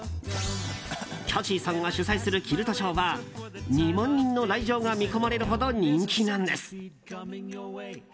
キャシーさんが主催するキルトショーは２万人の来場が見込まれるほど人気なんです。